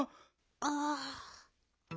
ああ。